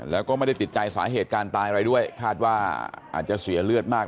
แล้วก็ไม่ได้ติดใจสาเหตุการณ์ตายอะไรด้วยคาดว่าอาจจะเสียเลือดมาก